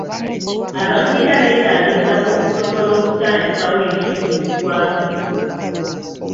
Abagwira beetaaga ettaka okusobola okutandikawo emirimu mu ggwanga.